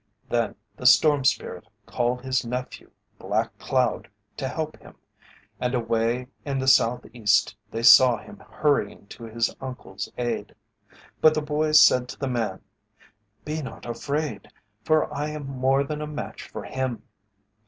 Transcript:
Then the Storm Spirit called his nephew Black Cloud to help him, and away in the south east they saw him hurrying to his uncle's aid. But the boy said to the man, "Be not afraid, for I am more than a match for him."